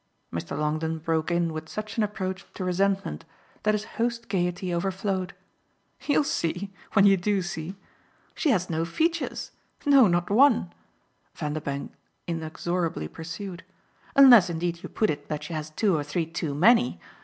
Mr. Longdon broke in with such an approach to resentment that his host's gaiety overflowed. "You'll see when you do see. She has no features. No, not one," Vanderbank inexorably pursued; "unless indeed you put it that she has two or three too many.